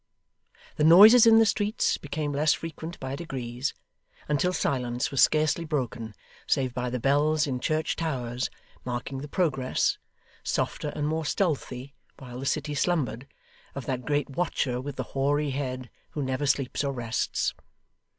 The noises in the streets became less frequent by degrees, until silence was scarcely broken save by the bells in church towers, marking the progress softer and more stealthy while the city slumbered of that Great Watcher with the hoary head, who never sleeps or rests.